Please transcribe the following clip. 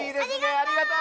ありがとう！